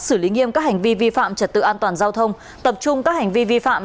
xử lý nghiêm các hành vi vi phạm trật tự an toàn giao thông tập trung các hành vi vi phạm